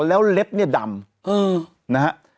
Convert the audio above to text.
แล้วเล็บเนี่ยดำนะฮะ